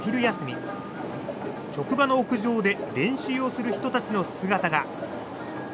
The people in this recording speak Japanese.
職場の屋上で練習をする人たちの姿が。